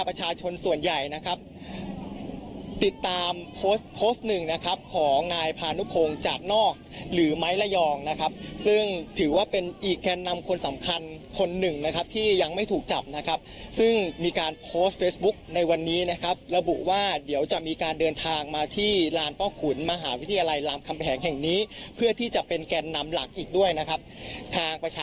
ประชาชนส่วนใหญ่นะครับติดตามโพสต์โพสต์หนึ่งนะครับของนายพานุพงศ์จากนอกหรือไม้ระยองนะครับซึ่งถือว่าเป็นอีกแกนนำคนสำคัญคนหนึ่งนะครับที่ยังไม่ถูกจับนะครับซึ่งมีการโพสต์เฟซบุ๊คในวันนี้นะครับระบุว่าเดี๋ยวจะมีการเดินทางมาที่ลานพ่อขุนมหาวิทยาลัยรามคำแหงแห่งนี้เพื่อที่จะเป็นแกนนำหลักอีกด้วยนะครับทางประช